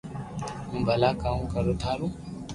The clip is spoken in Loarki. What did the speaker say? ھون ڀلا ڪاو ڪرو ٿارو